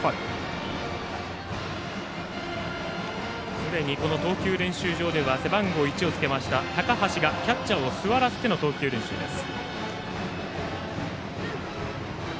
すでに投球練習場では背番号１をつけた高橋がキャッチャーを座らせての投球練習です。